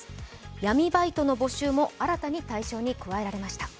闇バイトの対象も新たに対象に加えられました。